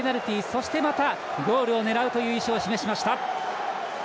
そして、またゴールを狙うという意思を示しました。